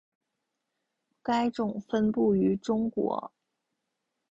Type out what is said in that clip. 该种分布于中国。